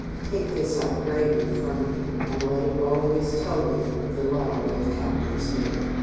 Take this, I pray you, from me, and let it always tell you of the love of Captain Smith."